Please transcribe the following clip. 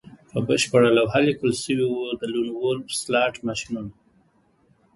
په بشپړه لوحه لیکل شوي وو د لون وولف سلاټ ماشینونه